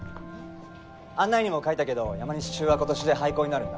案内にも書いたけど山西中は今年で廃校になるんだ。